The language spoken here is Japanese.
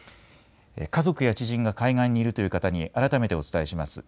家族や知人が海岸にいるという方に改めてお伝えします。